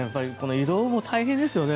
移動も大変ですよね。